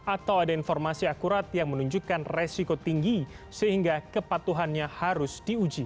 atau ada informasi akurat yang menunjukkan resiko tinggi sehingga kepatuhannya harus diuji